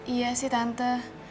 iya sih tante